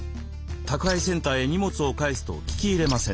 宅配センターへ荷物を返す」と聞き入れません。